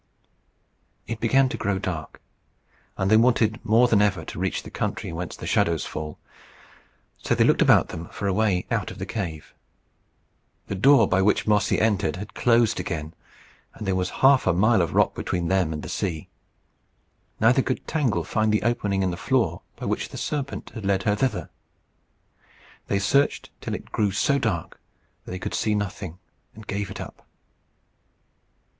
It began to grow dark. And they wanted more than ever to reach the country whence the shadows fall. So they looked about them for a way out of the cave. The door by which Mossy entered had closed again, and there was half a mile of rock between them and the sea. Neither could Tangle find the opening in the floor by which the serpent had led her thither. They searched till it grew so dark that they could see nothing, and gave it up.